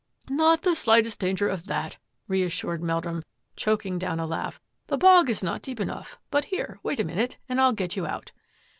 " Not the slightest danger of that," reassured Meldrum, choking down a laugh, " the bog is not deep enough; but here, wait a minute and I'll get you out."